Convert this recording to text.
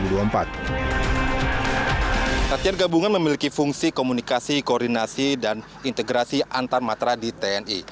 latihan gabungan memiliki fungsi komunikasi koordinasi dan integrasi antarmatra di tni